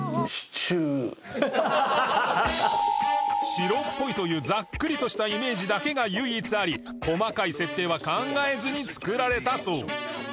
「白っぽい」というざっくりとしたイメージだけが唯一あり細かい設定は考えずに作られたそう